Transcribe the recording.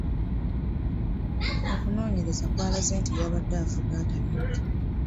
Okunoonyereza kwalaze nti yabadde avuga atamidde.